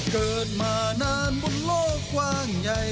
เกิดมานานบนโลกกว้างใหญ่